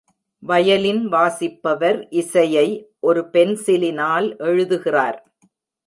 Violin வாசிப்பவர் இசையை ஒரு பென்சிலினால் எழுதுகிறார்.